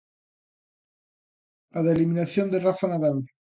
A da eliminación de Rafa Nadal.